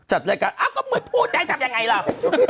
จัดรายการอ้าวก็มึงพูดจะให้จัดยังไงล่ะ